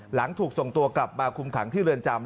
หลังถูกส่งตัวกลับมาคุมขังที่เรือนจำ